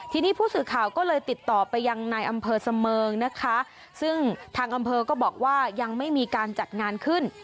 ทีนี้ผู้สื่อข่าวก็เลยติดต่อไปยังนายอำเภอเสมิงนะคะซึ่งทางอำเภอก็บอกว่ายังไม่มีการจัดงานขึ้น